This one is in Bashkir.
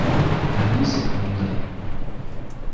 Ә нисек бында?